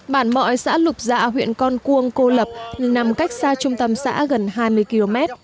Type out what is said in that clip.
bản mọi xã lục dạ huyện con cuông cô lập nằm cách xa trung tâm xã gần hai mươi km